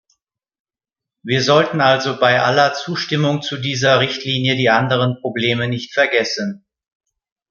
Wir sollten also bei aller Zustimmung zu dieser Richtlinie die anderen Probleme nicht vergessen.